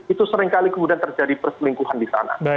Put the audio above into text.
itu seringkali kemudian terjadi perselingkuhan di sana